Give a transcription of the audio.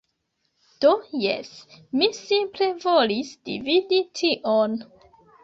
Do, jes, mi simple volis dividi tion.